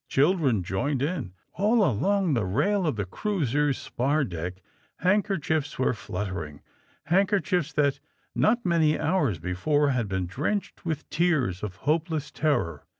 Children joined in. All along the rail of the cruiser's spar deck hand kerchiefs were fluttering — ^handkerchiefs that, not many hours before, had been drenched with the tears of hopeless terror.